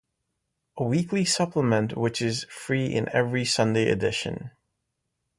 A weekly supplement which is free in every Sunday edition.